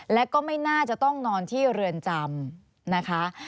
และก็ไม่น่าจะต้องนอนที่เรือนจำนะคะ